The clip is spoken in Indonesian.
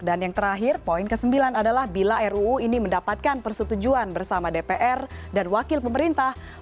dan yang terakhir poin ke sembilan adalah bila ruu ini mendapatkan persetujuan bersama dpr dan wakil pemerintah